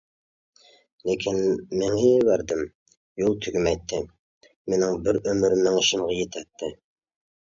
لېكىن مېڭىۋەردىم، يول تۈگىمەيتتى، مېنىڭ بىر ئۆمۈر مېڭىشىمغا يېتەتتى.